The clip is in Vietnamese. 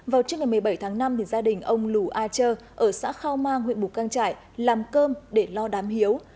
vào trước ngày một mươi bảy tháng năm gia đình ông lù a chơ ở xã khao mang huyện mù căng trải làm cơm để lo đám hiếu